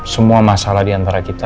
semua masalah diantara kita